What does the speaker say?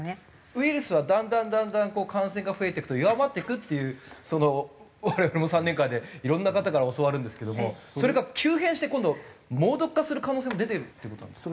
ウイルスはだんだんだんだん感染が増えていくと弱まっていくっていうその我々も３年間でいろんな方から教わるんですけどもそれが急変して今度猛毒化する可能性も出ているっていう事なんですか？